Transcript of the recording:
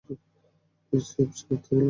Museums মিথ্যা বলে না!